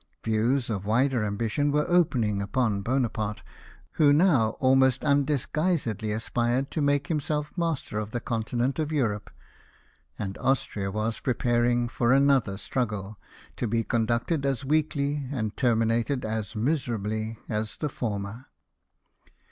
Views of wider ambition were opening upon Bonaparte, who now almost undisguisedly aspired to make himself master of the continent of Europe ; and Austria was . preparing for another struggle, to be conducted as weakly, and terminated as miserably, as the former.